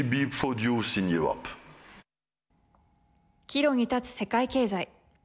岐路に立つ世界経済。